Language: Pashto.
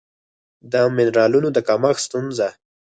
د مېنرالونو د کمښت ستونزه